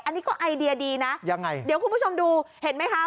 อันนี้ก็ไอเดียดีนะยังไงเดี๋ยวคุณผู้ชมดูเห็นไหมคะ